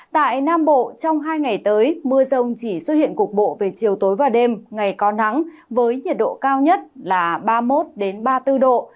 tại nam bộ trong hai ngày tới mưa rông chỉ xuất hiện cục bộ về chiều tối và đêm ngày có nắng với nhiệt độ cao nhất là ba mươi một ba mươi bốn độ